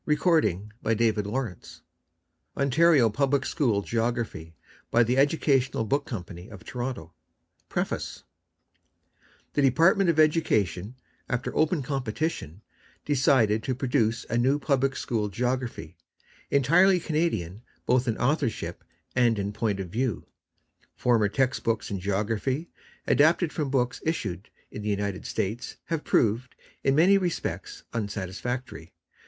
J. GAGE ^ CO., LIMITED TORONTO Eleventh Edition Copyright, Canada, 1922, by The Educational Book Company of Toronto (Limited) PREFACE The Department of Education, after open competition, decided to produce a new Public School Geography, entirely Canadian both in authorship and in point of view. Former text books in Geography adapted from books issued in the United States have proved, in manj' respects, unsatisfactory.